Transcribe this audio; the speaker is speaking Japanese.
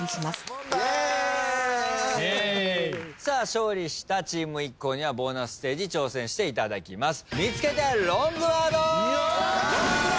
勝利したチームＩＫＫＯにはボーナスステージ挑戦していただきます。